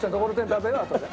食べようあとで。